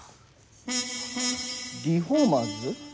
リフォーマーズ？